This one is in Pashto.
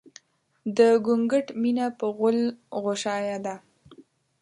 د ګونګټ مينه په غول غوشايه ده